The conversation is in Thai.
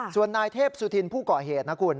ส่วนนายเทพสุธินผู้ก่อเหตุนะคุณ